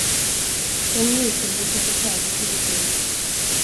Den njutningen satte prägel på mitt liv.